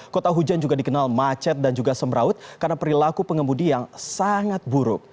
kota hujan juga dikenal macet dan juga semraut karena perilaku pengemudi yang sangat buruk